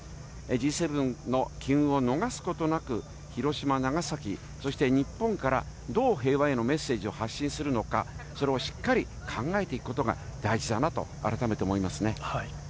Ｇ７の機運を逃すことなく、広島、長崎、そして日本からどう平和へのメッセージを発信するのか、それをしっかり考えていくことが大事だなと改めて思いますね。